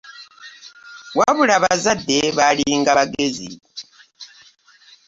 Wabula abazadde baali nga bagezi.